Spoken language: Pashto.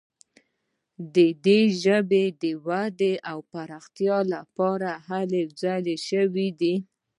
د دې ژبې د ودې او پراختیا لپاره هلې ځلې شوي دي.